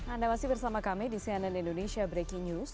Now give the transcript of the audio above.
anda masih bersama kami di cnn indonesia breaking news